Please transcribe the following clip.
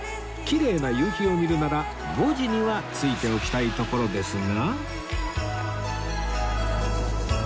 きれいな夕日を見るなら５時には着いておきたいところですが